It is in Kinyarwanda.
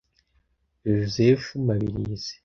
Joseph Mabirizi